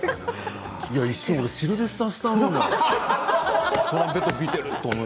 一瞬、シルベスター・スタローンかと。